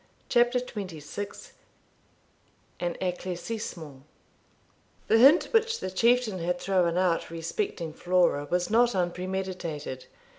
CHAPTER XXVI AN ECLAIRCISSEMENT The hint which the Chieftain had thrown out respecting Flora was not unpremeditated.